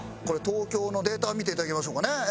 これ東京のデータ見て頂きましょうかね。